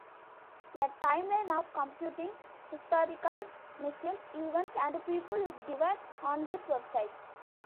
A timeline of computing historical machines, events, and people is given on his website.